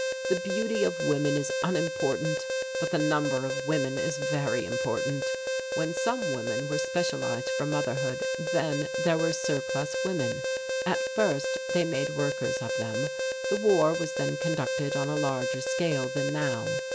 The beauty of women is unimportant but the number of women is very important. When some women were specialized for motherhood then there were surplus women. At first they made workers of them. The war was then conducted on a larger scale than now.